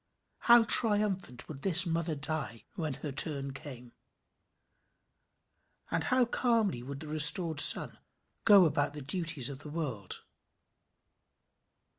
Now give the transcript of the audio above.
How triumphant would this mother die, when her turn came! And how calmly would the restored son go about the duties of the world.